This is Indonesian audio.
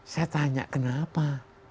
saya tanya kenapa